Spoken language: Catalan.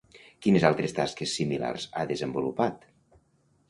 Quines altres tasques similars ha desenvolupat?